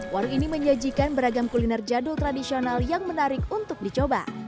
warung ini menyajikan beragam kuliner jadul tradisional yang menarik untuk dicoba